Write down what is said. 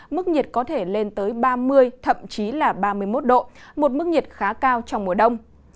mức nhiệt có thể lên tới ba mươi thậm chí là ba mươi một độ một mức nhiệt khá cao trong mùa đông